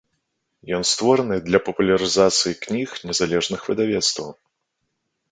Ён створаны для папулярызацыі кніг незалежных выдавецтваў.